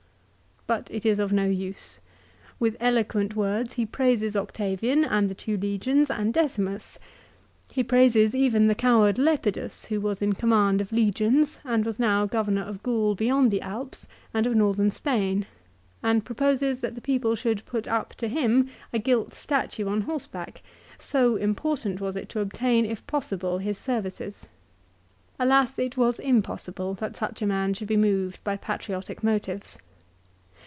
'' But it is of no use. With eloquent words he praises Octavian and the two legions and Decimus. He praises even the coward Lepidus, who was in command of legions, and was THE PHILIPPICS. 253 now Governor of Gaul beyond the Alps and of Northern Spain, and proposes that the people should put up to him a gilt statue on horseback, so important was it to obtain, if possible, his services. Alas, it was impossible that such a man should be moved by patriotic motives.